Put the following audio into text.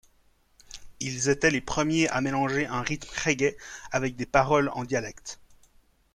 Ils étaient les premiers à mélanger un rythme raggae avec des paroles en dialecte.